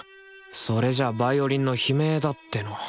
それじゃあヴァイオリンの悲鳴だっての。